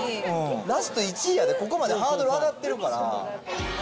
ラスト１位やで、ここまでハードル上がってるから。